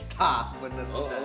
tak bener bisa